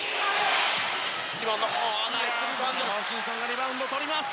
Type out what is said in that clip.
ホーキンソンがリバウンド取ります。